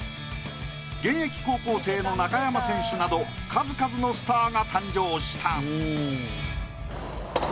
現役高校生の中山選手など数々のスターが誕生した。